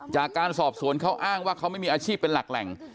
จากการสอบสวนเขาอ้างว่าเขาไม่มีอาชีพเป็นหลักแหล่ง